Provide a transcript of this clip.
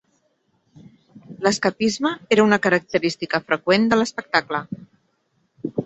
L'escapisme era una característica freqüent de l'espectacle.